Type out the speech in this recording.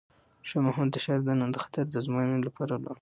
شاه محمود د ښار دننه د خطر د ارزونې لپاره ولاړ و.